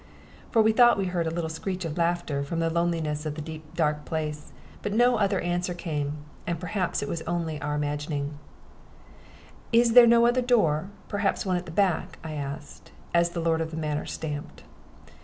For we thought we heard a little screech of laughter from the loneliness of the deep dark place, but no other answer came, and perhaps it was only our own imagining. "Is there no other door perhaps one at the back?" I asked, as the lord of the manor stamped.